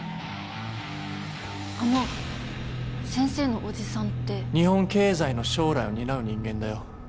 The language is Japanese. あの先生の叔父さんって日本経済の将来を担う人間だよ